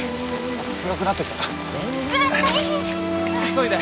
急いで。